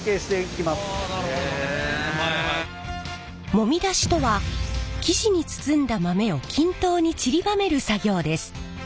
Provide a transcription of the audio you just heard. もみ出しとは生地に包んだ豆を均等にちりばめる作業です。